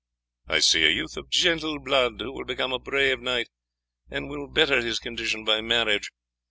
I see a youth of gentle blood who will become a brave knight, and will better his condition by marriage.